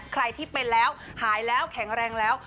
ใครที่เป็นแล้วหายแล้วแข็งแรงแล้ว